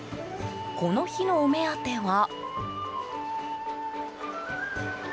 この日のお目当ては。